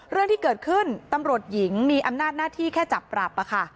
เรื่องที่เกิดขึ้นตำรวจหญิงมีอำนาจหน้าที่แค่จับปรับ